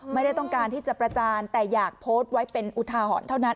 ไม่ได้ต้องการที่จะประจานแต่อยากโพสต์ไว้เป็นอุทาหรณ์เท่านั้น